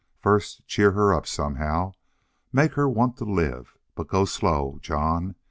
First cheer her up somehow. Make her want to live. But go slow, John.